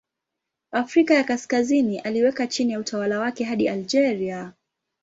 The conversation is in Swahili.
Afrika ya Kaskazini aliweka chini ya utawala wake hadi Algeria.